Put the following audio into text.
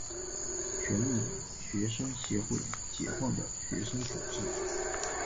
全印学生协会解放的学生组织。